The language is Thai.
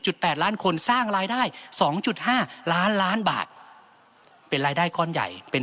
จุดแปดล้านคนสร้างรายได้สองจุดห้าล้านล้านบาทเป็นรายได้ก้อนใหญ่เป็น